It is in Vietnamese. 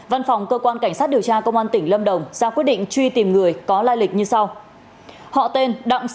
văn phòng cơ quan cảnh sát điều tra công an tỉnh lâm đồng